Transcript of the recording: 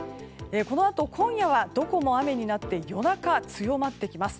このあと今夜はどこも雨になって夜中、強まってきます。